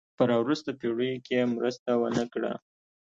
په را وروسته پېړیو کې یې مرسته ونه کړه.